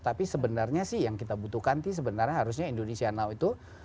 tapi sebenarnya sih yang kita butuhkan sih sebenarnya harusnya indonesia now itu